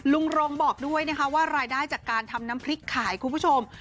รงบอกด้วยนะคะว่ารายได้จากการทำน้ำพริกขายคุณผู้ชม